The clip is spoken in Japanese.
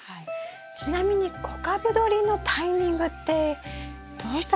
ちなみに小株どりのタイミングってどうしたらいいでしょうか？